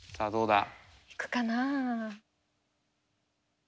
行くかな？